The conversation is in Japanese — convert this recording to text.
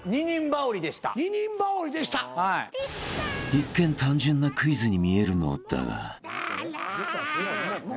［一見単純なクイズに見えるのだが］